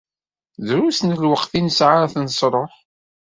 Drus n lweqt i nesɛa ad t-nesruḥ.